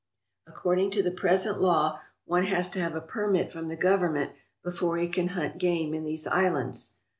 According to the present law, one has to have a permit from the Government before he can hunt game in these islands.